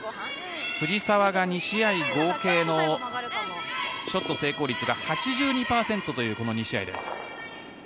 藤澤が２試合合計のショット成功率が８２％というこの２試合です。